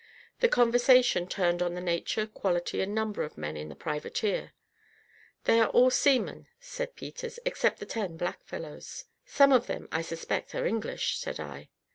The conversation turned on the nature, quality, and number of men in the privateer. "They are all seamen," said Peters, "except the ten black fellows." "Some of them, I suspect, are English," said I.